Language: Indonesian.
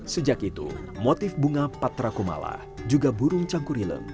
sejak itu motif bunga patra kumala juga burung cangkurileng